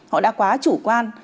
họ đã quá chủ quan